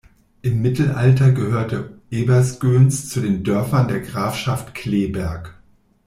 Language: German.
Im Mittelalter gehörte Ebersgöns zu den Dörfern der Grafschaft Cleeberg.